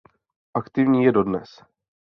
Aktivní je dodnes.